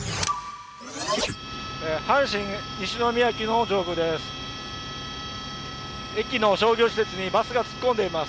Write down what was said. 阪神西宮駅の上空です。